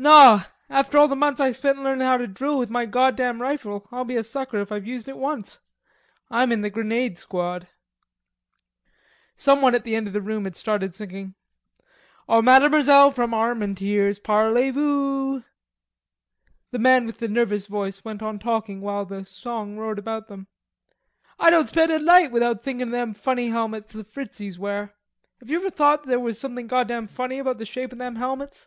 "Naw; after all the months I spent learnin' how to drill with my goddam rifle, I'll be a sucker if I've used it once. I'm in the grenade squad." Someone at the end of the room had started singing: "O Mademerselle from Armenteers, Parley voo!" The man with the nervous voice went on talking, while the song roared about them. "I don't spend a night without thinkin' o' them funny helmets the Fritzies wear. Have you ever thought that there was something goddam funny about the shape o' them helmets?"